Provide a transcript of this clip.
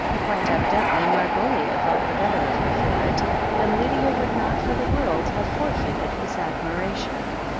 Quite evidently Margo liouth thought the better of her for it, and Lydia would not for the world have forfeited his admiration.